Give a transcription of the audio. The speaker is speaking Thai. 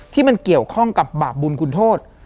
ที่มันเกี่ยวข้องกับบาปบุญคุณโทษ